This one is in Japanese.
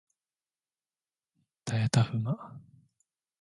たやたふま